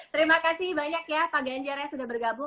terima kasih banyak ya pak ganjar yang sudah bergabung